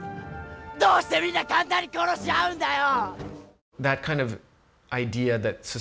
どうしてみんな簡単に殺し合うんだよ！